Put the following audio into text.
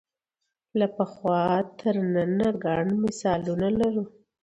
له پخوا تر ننه ګڼ مثالونه لرو